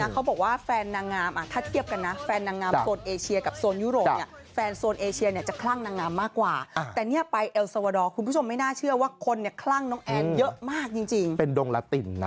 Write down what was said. แต่เอาจริงนะเขาบอกว่าแฟนนางงามถ้าเทียบกันนะ